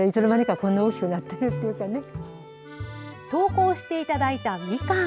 投稿していただいたみかん。